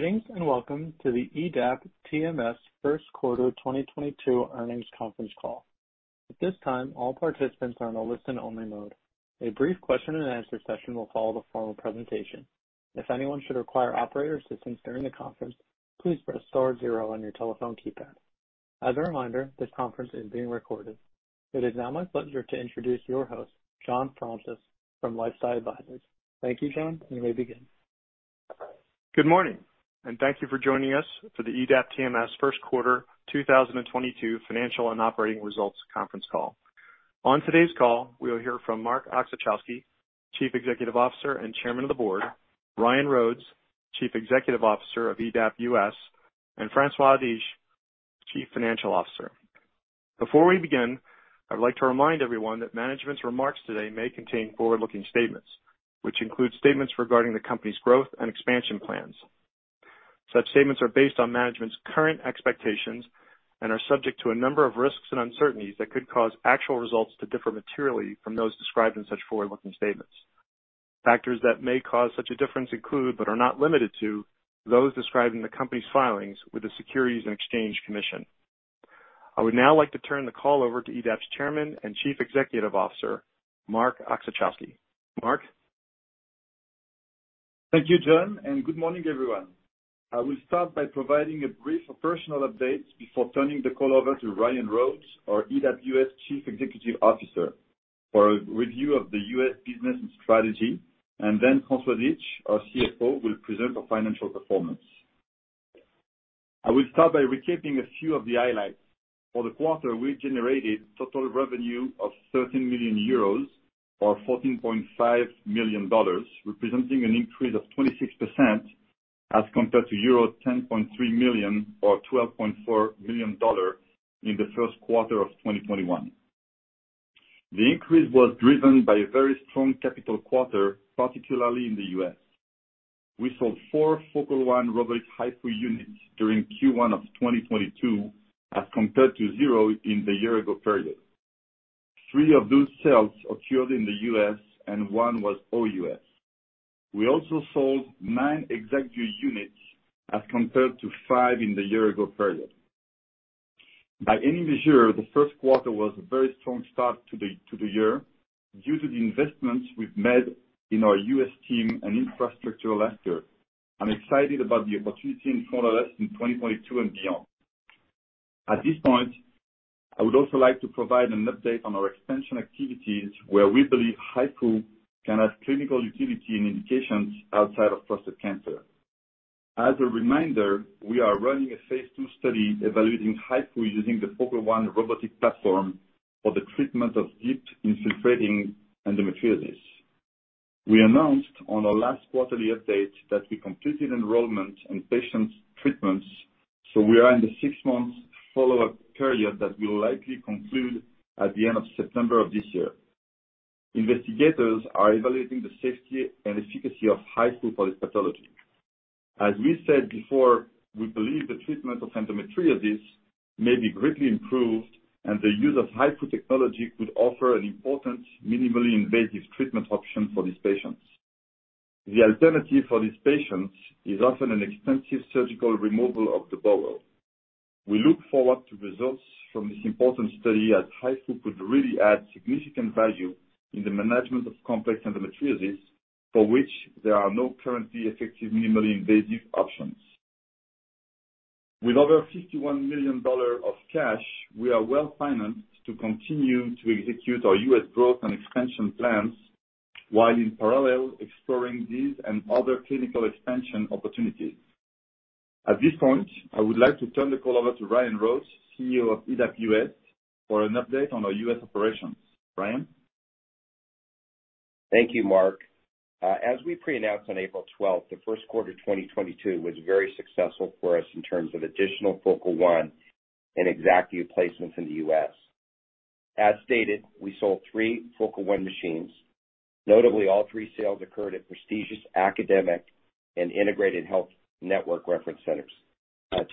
Greetings, and welcome to the EDAP TMS Q1 2022 earnings conference call. At this time, all participants are in a listen only mode. A brief question and answer session will follow the formal presentation. If anyone should require operator assistance during the conference, please press star zero on your telephone keypad. As a reminder, this conference is being recorded. It is now my pleasure to introduce your host, John Fraunces from LifeSci Advisors. Thank you, John. You may begin. Good morning, and thank you for joining us for the EDAP TMS Q1 2022 financial and operating results conference call. On today's call, we will hear from Marc Oczachowski, Chief Executive Officer and Chairman of the Board, Ryan Rhodes, Chief Executive Officer of EDAP US, and François Dietsch, Chief Financial Officer. Before we begin, I'd like to remind everyone that management's remarks today may contain forward-looking statements, which include statements regarding the company's growth and expansion plans. Such statements are based on management's current expectations and are subject to a number of risks and uncertainties that could cause actual results to differ materially from those described in such forward-looking statements. Factors that may cause such a difference include, but are not limited to, those described in the company's filings with the Securities and Exchange Commission. I would now like to turn the call over to EDAP's Chairman and Chief Executive Officer, Marc Oczachowski. Marc? Thank you, John, and good morning, everyone. I will start by providing a brief operational update before turning the call over to Ryan Rhodes, our EDAP Technomed Chief Executive Officer, for a review of the U.S. business and strategy, and then François Dietsch, our CFO, will present our financial performance. I will start by recapping a few of the highlights. For the quarter, we generated total revenue of 13 million euros or $14.5 million, representing an increase of 26% as compared to euro 10.3 million or $12.4 million in the Q of 2021. The increase was driven by a very strong capital quarter, particularly in the U.S. We sold four Focal One robotic HIFU units during Q1 of 2022, as compared to zero in the year ago period. Three of those sales occurred in the U.S. and one was OUS. We also sold nine ExactVu units as compared to five in the year ago period. By any measure, the Q1 was a very strong start to the year due to the investments we've made in our U.S. team and infrastructure last year. I'm excited about the opportunity in front of us in 2022 and beyond. At this point, I would also like to provide an update on our expansion activities where we believe HIFU can add clinical utility and indications outside of prostate cancer. As a reminder, we are running a phase II study evaluating HIFU using the Focal One robotic platform for the treatment of deep infiltrating endometriosis. We announced on our last quarterly update that we completed enrollment and patient treatments, so we are in the six-month follow-up period that will likely conclude at the end of September of this year. Investigators are evaluating the safety and efficacy of HIFU for this pathology. As we said before, we believe the treatment of endometriosis may be greatly improved, and the use of HIFU technology could offer an important minimally invasive treatment option for these patients. The alternative for these patients is often an extensive surgical removal of the bowel. We look forward to results from this important study as HIFU could really add significant value in the management of complex endometriosis for which there are no currently effective minimally invasive options. With over $51 million of cash, we are well-financed to continue to execute our US growth and expansion plans while in parallel exploring these and other clinical expansion opportunities. At this point, I would like to turn the call over to Ryan Rhodes, CEO of EDAP Technomed, for an update on our US operations. Ryan? Thank you, Marc. As we pre-announced on April twelfth, the Q1 2022 was very successful for us in terms of additional Focal One and ExactVu placements in the US. As stated, we sold three Focal One machines. Notably, all 3 sales occurred at prestigious academic and integrated health network reference centers,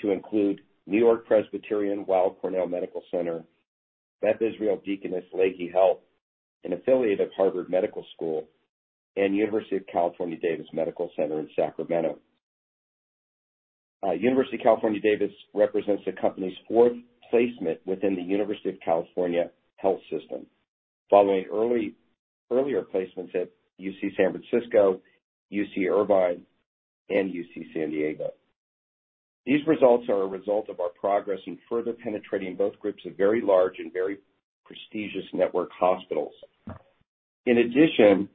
to include NewYork-Presbyterian/Weill Cornell Medical Center, Beth Israel Lahey Health, an affiliate of Harvard Medical School, and University of California, Davis Medical Center in Sacramento. University of California Davis represents the company's fourth placement within the University of California health system, following earlier placements at UC San Francisco, UC Irvine, and UC San Diego. These results are a result of our progress in further penetrating both groups of very large and very prestigious network hospitals. In addition,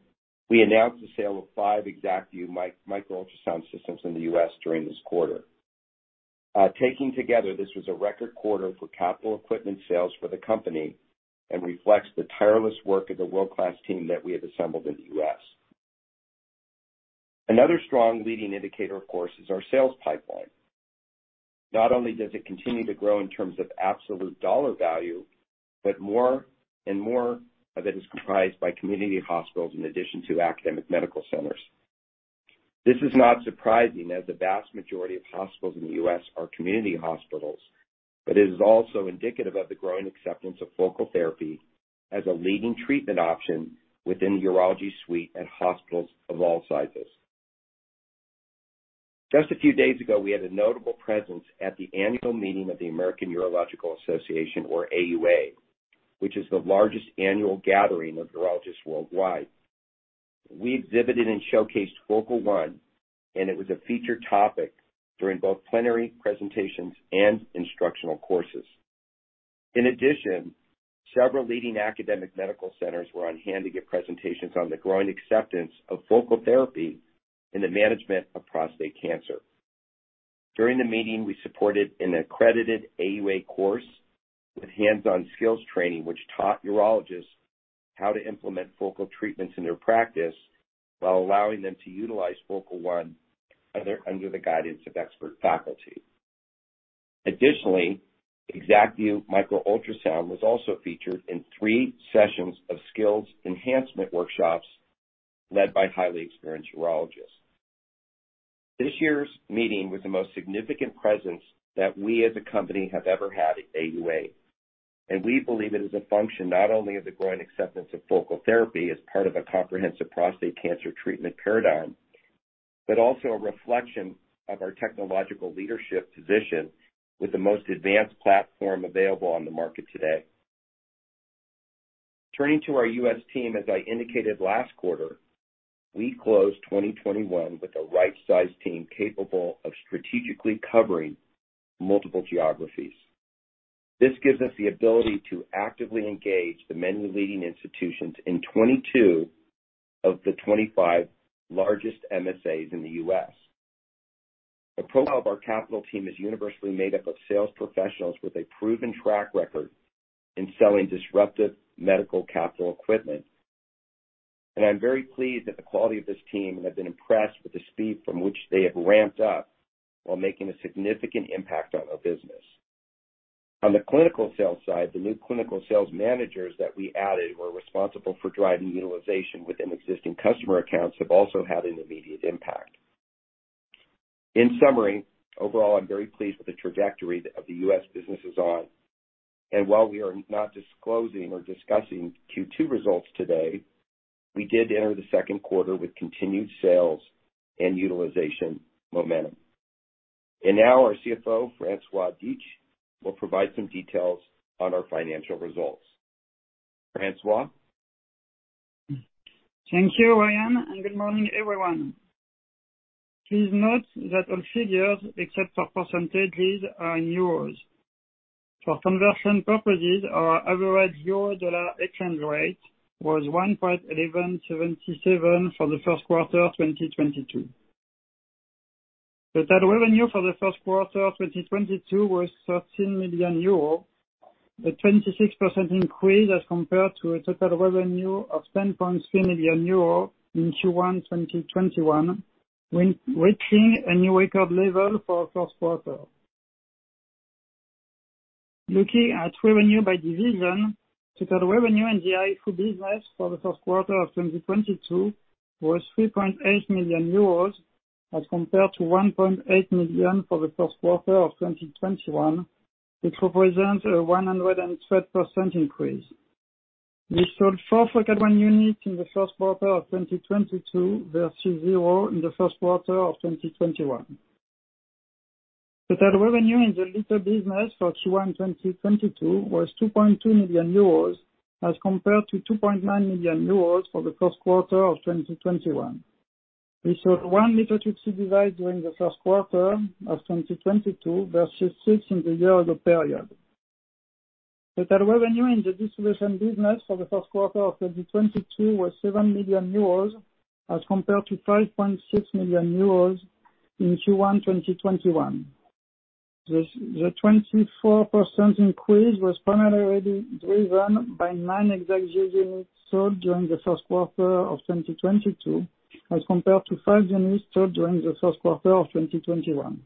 we announced the sale of five ExactVu micro-ultrasound systems in the U.S. during this quarter. Taken together, this was a record quarter for capital equipment sales for the company and reflects the tireless work of the world-class team that we have assembled in the U.S. Another strong leading indicator, of course, is our sales pipeline. Not only does it continue to grow in terms of absolute dollar value, but more and more of it is comprised by community hospitals in addition to academic medical centers. This is not surprising as the vast majority of hospitals in the U.S. are community hospitals. It is also indicative of the growing acceptance of focal therapy as a leading treatment option within the urology suite at hospitals of all sizes. Just a few days ago, we had a notable presence at the annual meeting of the American Urological Association, or AUA, which is the largest annual gathering of urologists worldwide. We exhibited and showcased Focal One, and it was a featured topic during both plenary presentations and instructional courses. In addition, several leading academic medical centers were on hand to give presentations on the growing acceptance of focal therapy in the management of prostate cancer. During the meeting, we supported an accredited AUA course with hands-on skills training, which taught urologists how to implement focal treatments in their practice while allowing them to utilize Focal One under the guidance of expert faculty. Additionally, ExactVu micro-ultrasound was also featured in three sessions of skills enhancement workshops led by highly experienced urologists. This year's meeting was the most significant presence that we as a company have ever had at AUA, and we believe it is a function not only of the growing acceptance of focal therapy as part of a comprehensive prostate cancer treatment paradigm, but also a reflection of our technological leadership position with the most advanced platform available on the market today. Turning to our U.S. team, as I indicated last quarter, we closed 2021 with a right-sized team capable of strategically covering multiple geographies. This gives us the ability to actively engage the many leading institutions in 22 of the 25 largest MSAs in the U.S. The profile of our capital team is universally made up of sales professionals with a proven track record in selling disruptive medical capital equipment. I'm very pleased at the quality of this team and have been impressed with the speed from which they have ramped up while making a significant impact on our business. On the clinical sales side, the new clinical sales managers that we added who are responsible for driving utilization within existing customer accounts have also had an immediate impact. In summary, overall, I'm very pleased with the trajectory of the U.S. business is on. While we are not disclosing or discussing Q2 results today, we did enter the Q2 with continued sales and utilization momentum. Now our CFO, François Dietsch, will provide some details on our financial results. François? Thank you, Ryan, and good morning, everyone. Please note that all figures, except for percentages, are in EUR. For conversion purposes, our average euro-dollar exchange rate was 1.1177 for the Q1 of 2022. The total revenue for the Q1 of 2022 was 13 million euro, a 26% increase as compared to a total revenue of 10.3 million euro in Q1 2021, reaching a new record level for Q1. Looking at revenue by division, total revenue in the HIFU business for the Q1 of 2022 was 3.8 million euros as compared to 1.8 million for the Q1 of 2021, which represents a 112% increase. We sold four Focal One units in the Q1 of 2022 versus 0 in the Q1 of 2021. The total revenue in the Lithotripsy business for Q1 2022 was 2.2 million euros as compared to 2.9 million euros for the Q1 of 2021. We sold 1 Lithotripsy device during the Q1 of 2022 versus six in the year-ago period. The total revenue in the distribution business for the Q1 of 2022 was 7 million euros as compared to 5.6 million euros in Q1 2021. This 24% increase was primarily driven by nine ExactVu units sold during the Q1 of 2022 as compared to five units sold during the Q1 of 2021.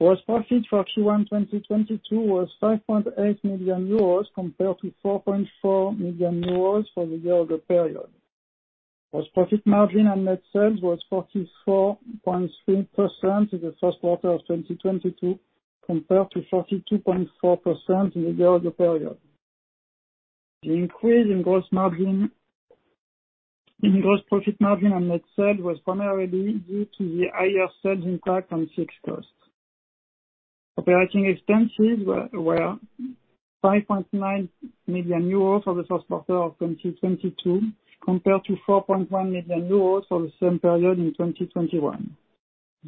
Gross profit for Q1 2022 was 5.8 million euros compared to 4.4 million euros for the year-ago period. Gross profit margin on net sales was 44.3% in the Q1 of 2022 compared to 42.4% in the year-ago period. The increase in gross margin, in gross profit margin on net sales was primarily due to the higher sales impact on fixed costs. Operating expenses were 5.9 million euros for the Q1 of 2022 compared to 4.1 million euros for the same period in 2021.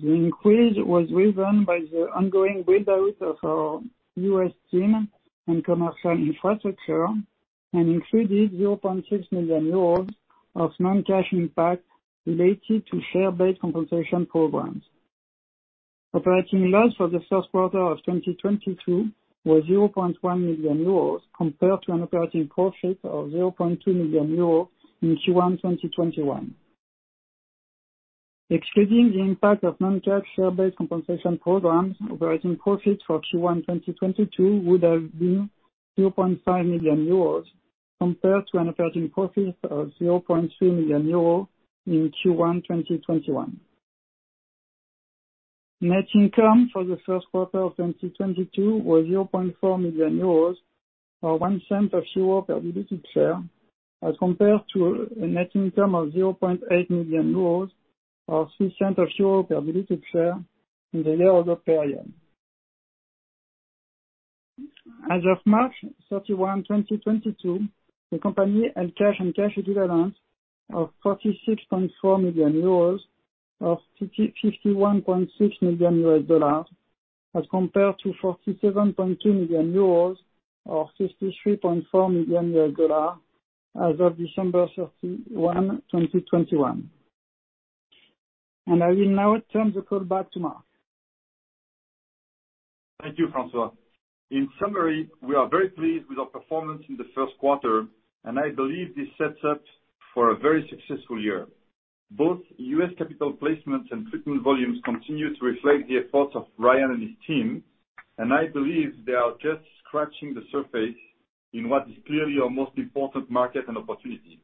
The increase was driven by the ongoing build-out of our U.S. team and commercial infrastructure and included 0.6 million euros of non-cash impact related to share-based compensation programs. Operating loss for the Q1 of 2022 was 0.1 million euros compared to an operating profit of 0.2 million euros in Q1 2021. Excluding the impact of non-cash share-based compensation programs, operating profits for Q1 2022 would have been 0.5 million euros. Compared to an operating profit of 0.3 million euros in Q1 2021. Net income for the Q1 of 2022 was 0.4 million euros, or 0.01 euro per diluted share, as compared to a net income of 0.8 million euros or 0.03 euro per diluted share in the year ago period. As of March 31, 2022, the company had cash and cash equivalents of 46.4 million euros or $51.6 million as compared to 47.2 million euros or $63.4 million as of December 31, 2021. I will now turn the call back to Marc. Thank you, François. In summary, we are very pleased with our performance in the Q1, and I believe this sets up for a very successful year. Both U.S. capital placements and treatment volumes continue to reflect the efforts of Ryan and his team, and I believe they are just scratching the surface in what is clearly our most important market and opportunity.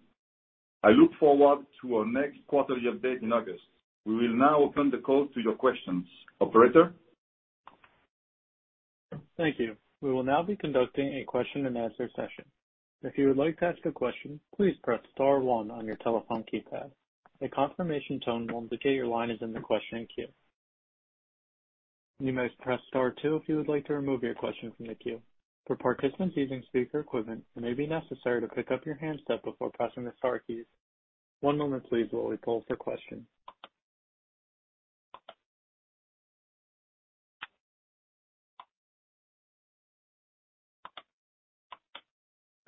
I look forward to our next quarterly update in August. We will now open the call to your questions. Operator? Thank you. We will now be conducting a question and answer session. If you would like to ask a question, please press star one on your telephone keypad. A confirmation tone will indicate your line is in the questioning queue. You may press star two if you would like to remove your question from the queue. For participants using speaker equipment, it may be necessary to pick up your handset before pressing the star keys. One moment please while we poll for questions.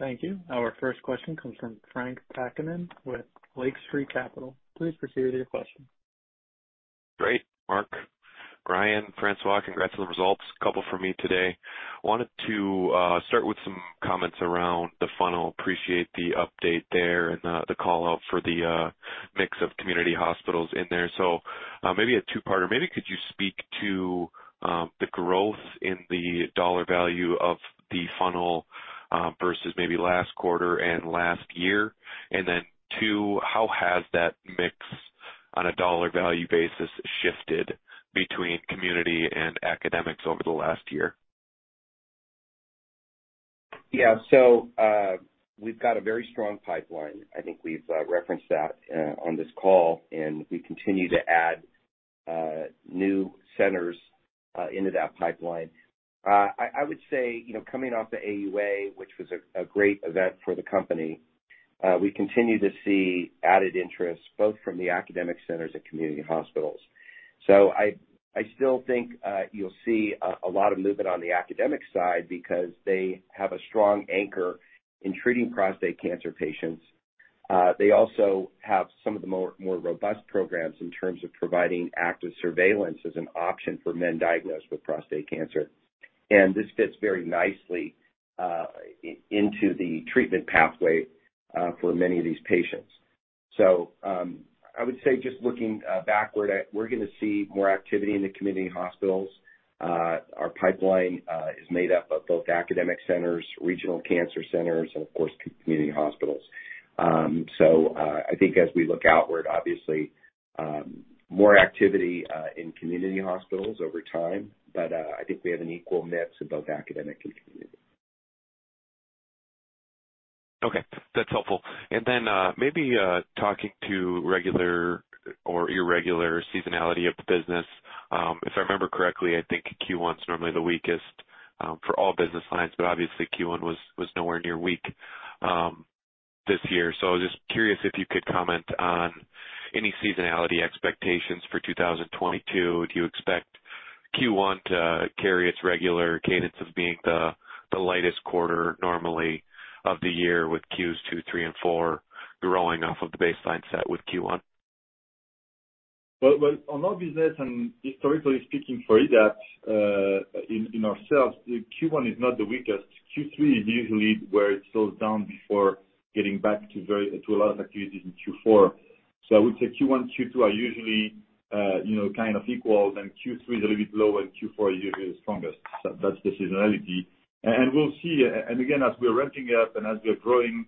Thank you. Our first question comes from Frank Takkinen with Lake Street Capital Markets. Please proceed with your question. Great, Marc. Ryan, François, congrats on the results. A couple from me today. Wanted to start with some comments around the funnel. Appreciate the update there and the call-out for the mix of community hospitals in there. Maybe a two-parter. Maybe could you speak to the growth in the dollar value of the funnel versus maybe last quarter and last year? Two, how has that mix on a dollar value basis shifted between community and academics over the last year? Yeah. We've got a very strong pipeline. I think we've referenced that on this call, and we continue to add new centers into that pipeline. I would say, you know, coming off the AUA, which was a great event for the company, we continue to see added interest both from the academic centers and community hospitals. I still think you'll see a lot of movement on the academic side because they have a strong anchor in treating prostate cancer patients. They also have some of the more robust programs in terms of providing active surveillance as an option for men diagnosed with prostate cancer. This fits very nicely into the treatment pathway for many of these patients. I would say just looking backward, we're gonna see more activity in the community hospitals. Our pipeline is made up of both academic centers, regional cancer centers, and of course, community hospitals. I think as we look outward, obviously, more activity in community hospitals over time, but I think we have an equal mix of both academic and community. Okay. That's helpful. Then maybe talking to regular or irregular seasonality of the business, if I remember correctly, I think Q1's normally the weakest for all business lines, but obviously Q1 was nowhere near weak this year. I was just curious if you could comment on any seasonality expectations for 2022. Do you expect Q1 to carry its regular cadence of being the lightest quarter normally of the year with Q2, Q3 and Q4 growing off of the baseline set with Q1? Well, on our business and historically speaking for that, in our sales, Q1 is not the weakest. Q3 is usually where it slows down before getting back to a lot of activities in Q4. I would say Q1, Q2 are usually, you know, kind of equal. Then Q3 is a little bit lower, and Q4 is usually the strongest. That's the seasonality. We'll see. Again, as we're ramping up and as we're growing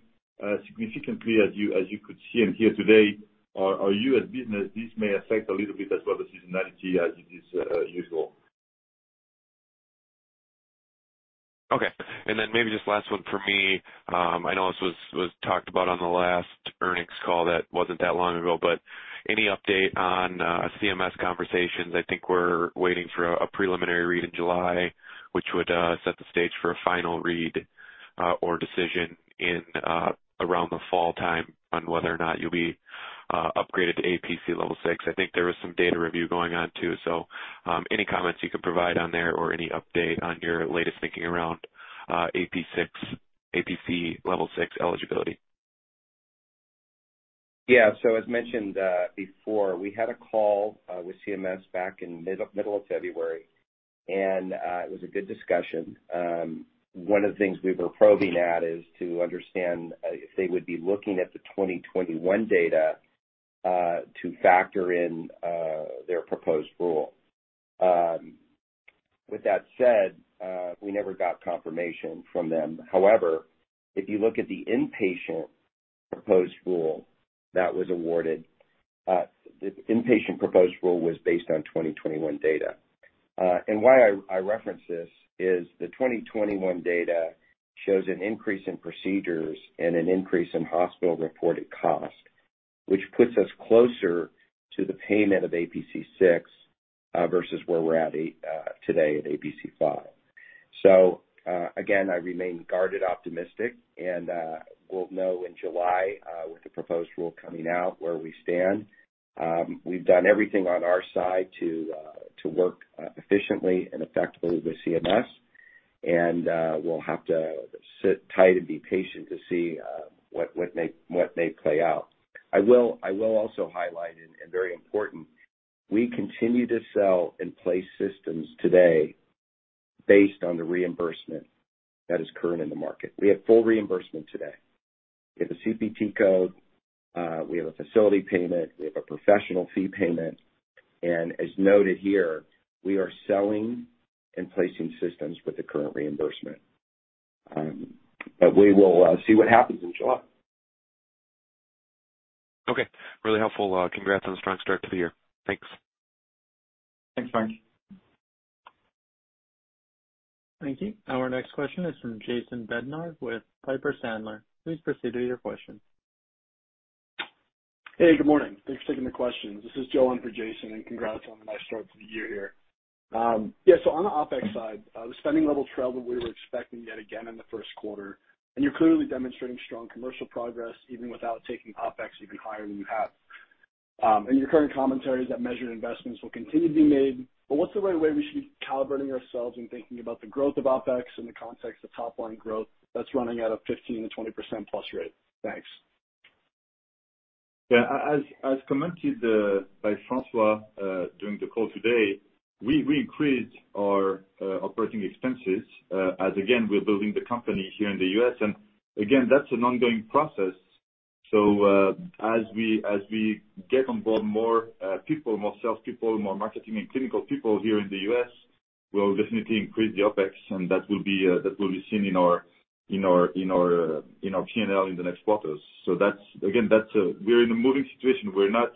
significantly as you could see and hear today, our US business, this may affect a little bit as well, the seasonality as it is usual. Okay. Maybe just last one from me. I know this was talked about on the last earnings call that wasn't that long ago, but any update on CMS conversations? I think we're waiting for a preliminary read in July, which would set the stage for a final read or decision in around the fall time on whether or not you'll be upgraded to APC level six. I think there was some data review going on too. Any comments you could provide on there or any update on your latest thinking around APC level six eligibility? Yeah. As mentioned, before, we had a call with CMS back in the middle of February, and it was a good discussion. One of the things we were probing at is to understand if they would be looking at the 2021 data to factor in their proposed rule. With that said, we never got confirmation from them. However, if you look at the inpatient proposed rule that was awarded, the inpatient proposed rule was based on 2021 data. And why I reference this is the 2021 data shows an increase in procedures and an increase in hospital-reported cost, which puts us closer to the payment of APC 6 versus where we're at today at APC 5. Again, I remain guarded optimistic, and we'll know in July with the proposed rule coming out, where we stand. We've done everything on our side to work efficiently and effectively with CMS, and we'll have to sit tight and be patient to see what may play out. I will also highlight, very important, we continue to sell and place systems today based on the reimbursement that is current in the market. We have full reimbursement today. We have a CPT code, we have a facility payment, we have a professional fee payment, and as noted here, we are selling and placing systems with the current reimbursement. We will see what happens in July. Okay. Really helpful. Congrats on the strong start to the year. Thanks. Thanks, Frank. Thank you. Our next question is from Jason Bednar with Piper Sandler. Please proceed with your question. Hey, good morning. Thanks for taking the questions. This is Joe in for Jason, and congrats on the nice start to the year here. On the OpEx side, the spending levels trailed than we were expecting yet again in the Q1, and you're clearly demonstrating strong commercial progress even without taking OpEx even higher than you have. In your current commentary is that measured investments will continue to be made, but what's the right way we should be calibrating ourselves in thinking about the growth of OpEx in the context of top line growth that's running at a 15%-20% plus rate? Thanks. As commented by François during the call today, we increased our operating expenses as again we're building the company here in the U.S. and again that's an ongoing process. As we get on board more people, more salespeople, more marketing and clinical people here in the U.S., we'll definitely increase the OpEx, and that will be seen in our P&L in the next quarters. That's again a moving situation. We're not,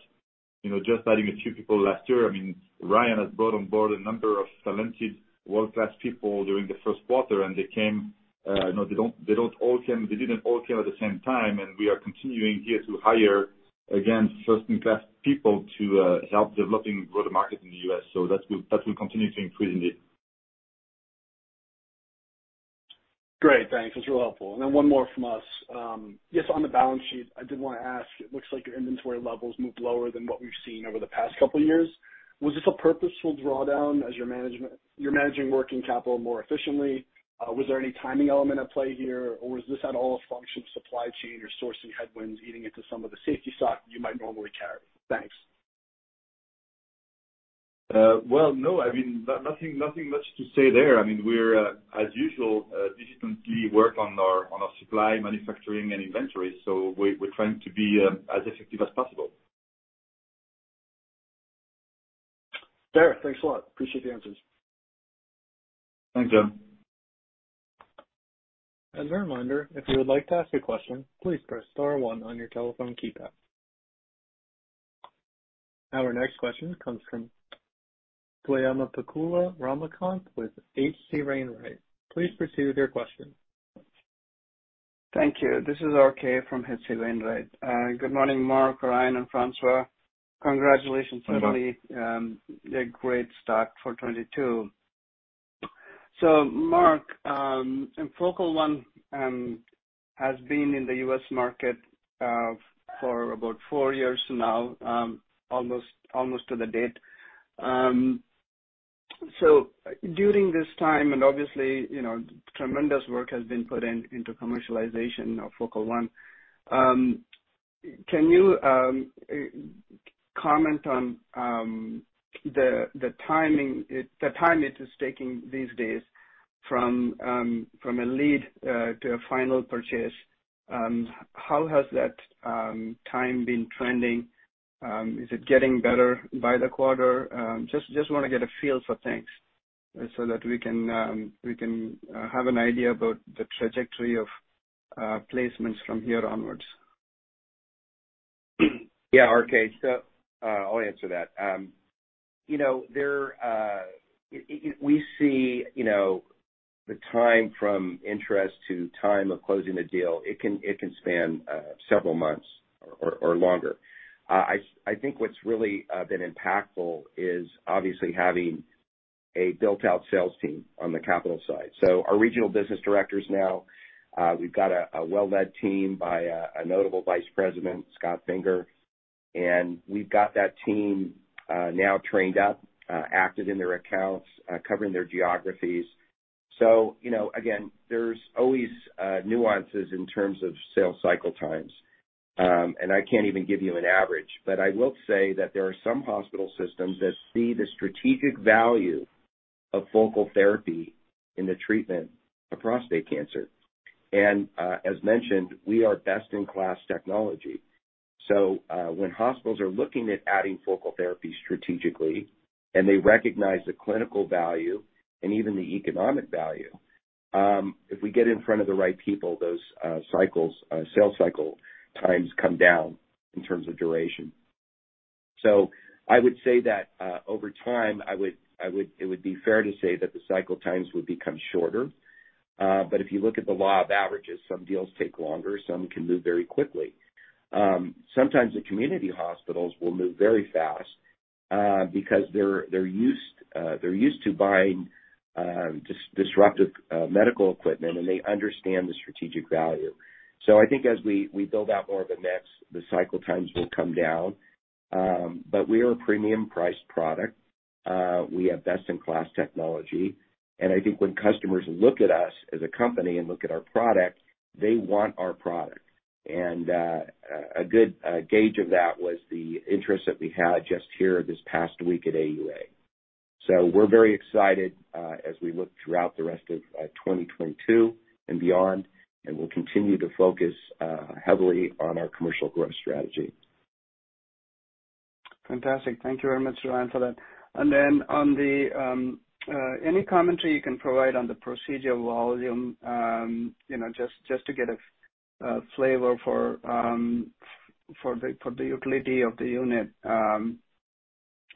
you know, just adding a few people last year. I mean, Ryan has brought on board a number of talented world-class people during the Q1, and they came, you know, they didn't all come at the same time. We are continuing here to hire, again, first-in-class people to help developing and grow the market in the U.S. That will continue to increase indeed. Great. Thanks. That's real helpful. One more from us. Yes, on the balance sheet, I did wanna ask. It looks like your inventory levels moved lower than what we've seen over the past couple years. Was this a purposeful drawdown as your management is managing working capital more efficiently? Was there any timing element at play here, or is this at all a function of supply chain or sourcing headwinds eating into some of the safety stock you might normally carry? Thanks. Well, no, I mean, nothing much to say there. I mean, we're, as usual, diligently work on our supply, manufacturing and inventory. We're trying to be as effective as possible. Fair. Thanks a lot. Appreciate the answers. Thanks, Joe. As a reminder, if you would like to ask a question, please press star one on your telephone keypad. Our next question comes from Swayampakula Ramakanth with H.C. Wainwright. Please proceed with your question. Thank you. This is RK from H.C. Wainwright. Good morning, Marc, Ryan, and François. Congratulations on the Good morning. the great start for 2022. Mark, and Focal One has been in the U.S. market for about four years now, almost to the date. During this time, and obviously, you know, tremendous work has been put into commercialization of Focal One, can you comment on the time it is taking these days from a lead to a final purchase? How has that time been trending? Is it getting better by the quarter? Just wanna get a feel for things so that we can have an idea about the trajectory of placements from here onwards. Yeah. RK, I'll answer that. You know, there it... We see, you know, the time from interest to time of closing a deal, it can span several months or longer. I think what's really been impactful is obviously having a built-out sales team on the capital side. Our regional business directors now, we've got a well-led team by a notable Vice President, Scott Finger, and we've got that team now trained up, active in their accounts, covering their geographies. You know, again, there's always nuances in terms of sales cycle times. I can't even give you an average, but I will say that there are some hospital systems that see the strategic value of focal therapy in the treatment of prostate cancer. As mentioned, we are best-in-class technology. When hospitals are looking at adding focal therapy strategically, and they recognize the clinical value and even the economic value, if we get in front of the right people, those cycles, sales cycle times come down in terms of duration. I would say that over time, it would be fair to say that the cycle times would become shorter. If you look at the law of averages, some deals take longer, some can move very quickly. Sometimes the community hospitals will move very fast, because they're used to buying disruptive medical equipment, and they understand the strategic value. I think as we build out more of a mix, the cycle times will come down. We are a premium priced product. We have best in class technology. I think when customers look at us as a company and look at our product, they want our product. A good gauge of that was the interest that we had just here this past week at AUA. We're very excited as we look throughout the rest of 2022 and beyond, and we'll continue to focus heavily on our commercial growth strategy. Fantastic. Thank you very much, Ryan Rhodes, for that. On any commentary you can provide on the procedure volume, you know, just to get a flavor for the utility of the unit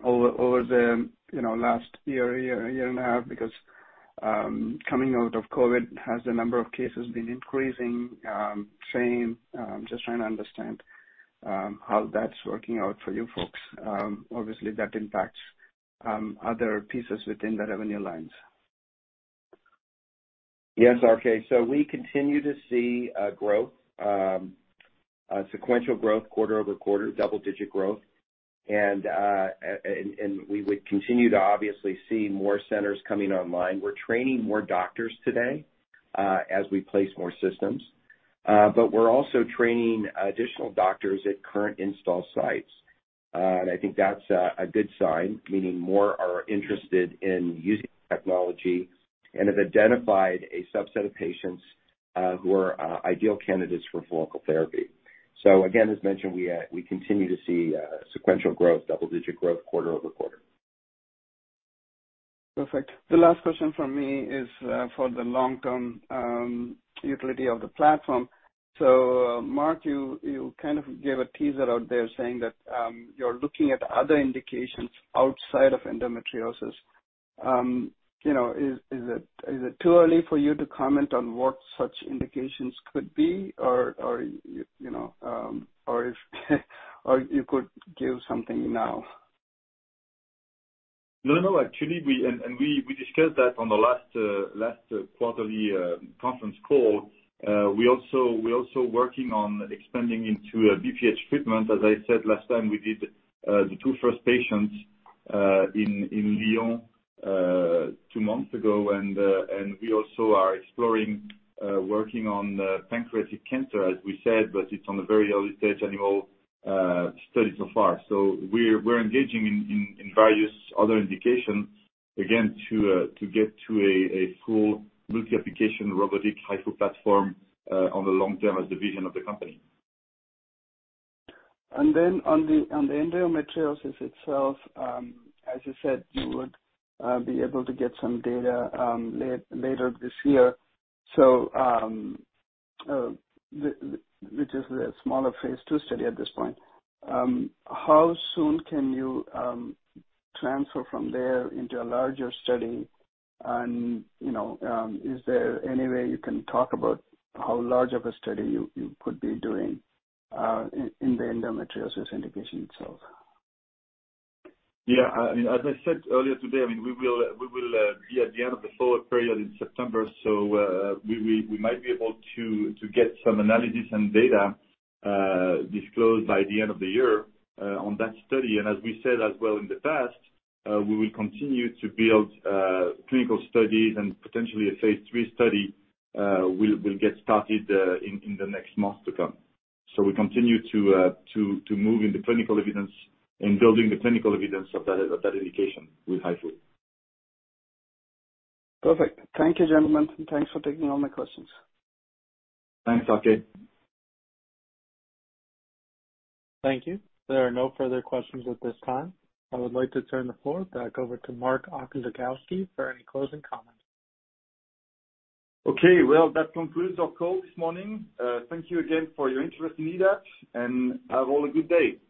over the last year and a half. Because coming out of COVID, has the number of cases been increasing? Same. Just trying to understand how that's working out for you folks. Obviously that impacts other pieces within the revenue lines. Yes, RK. We continue to see growth, sequential growth quarter over quarter, double-digit growth. We would continue to obviously see more centers coming online. We're training more doctors today, as we place more systems, but we're also training additional doctors at current install sites. I think that's a good sign, meaning more are interested in using technology and have identified a subset of patients who are ideal candidates for focal therapy. Again, as mentioned, we continue to see sequential growth, double-digit growth quarter over quarter. Perfect. The last question from me is, for the long term, utility of the platform. Marc, you kind of gave a teaser out there saying that, you're looking at other indications outside of endometriosis. You know, is it too early for you to comment on what such indications could be? Or, you know, or if you could give something now. No, no. Actually, we discussed that on the last quarterly conference call. We also are working on expanding into a BPH treatment. As I said last time, we did the two first patients in Lyon two months ago. We also are exploring working on pancreatic cancer, as we said, but it's on a very early stage animal study so far. We're engaging in various other indications, again, to get to a full multi-application robotic HIFU platform on the long term as the vision of the company. On the endometriosis itself, as you said, you would be able to get some data, later this year. Which is a smaller phase II study at this point. How soon can you transfer from there into a larger study? You know, is there any way you can talk about how large of a study you could be doing, in the endometriosis indication itself? Yeah. I mean, as I said earlier today, I mean, we will be at the end of the follow-up period in September, so we might be able to get some analysis and data disclosed by the end of the year on that study. As we said as well in the past, we will continue to build clinical studies and potentially a phase III study. We'll get started in the next month to come. We continue to move in the clinical evidence, in building the clinical evidence of that indication with HIFU. Perfect. Thank you, gentlemen, and thanks for taking all my questions. Thanks, RK. Thank you. There are no further questions at this time. I would like to turn the floor back over to Marc Oczachowski for any closing comments. Okay. Well, that concludes our call this morning. Thank you again for your interest in EDAP, and have a good day, all.